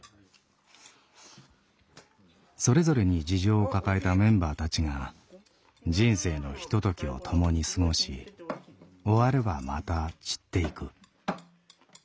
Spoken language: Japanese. それぞれに事情を抱えたメンバーたちが人生のひとときを共に過ごし終わればまた散っていく。